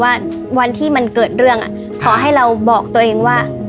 ว่าวันที่มันเกิดเรื่องขอให้เราบอกตัวเองว่า